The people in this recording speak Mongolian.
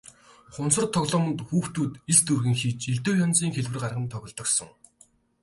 Хуванцар тоглоомд хүүхдүүд элс дүүргэн хийж элдэв янзын хэлбэр гарган тоглодог сон.